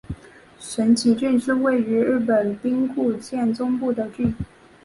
神崎郡是位于日本兵库县中部的郡。